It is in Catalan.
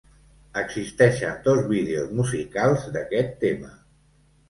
Existeixen dos vídeos musicals d'aquest tema.